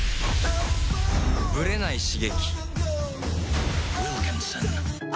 ブレない刺激